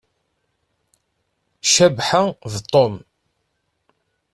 Cabḥa d Tom.